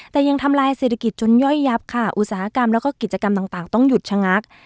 แต่ยังทำลายเศรษฐกิจจนย่อยยับค่ะอุตสาหกรรมแล้วก็กิจกรรมต่างต้องหยุดชะงัก